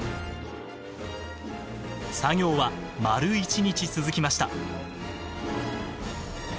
作業は、丸一日続きました。